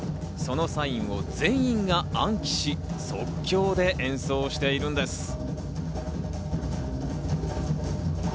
そのサインを全員が暗記し、即興で演奏しているんです。